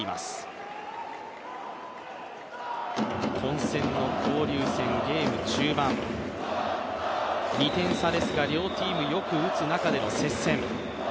混戦の交流戦ゲーム中盤、２点差ですが両チームよく打つ中での接戦。